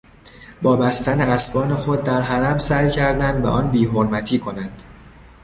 با بستن اسبان خود در حرم سعی کردند به آن بیحرمتی کنند.